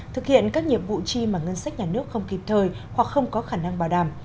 thực hiện các nhiệm vụ chi mà ngân sách nhà nước không kịp thời hoặc không có khả năng bảo đảm